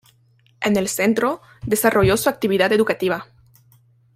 En el Centro desarrolló su actividad educativa.